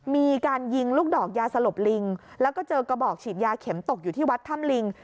มีการยิงลูกดอกยาสลบลิงแล้วก็เจอกระบอกฉีดยาเข็มตกอยู่ที่วัดถ้ำลิง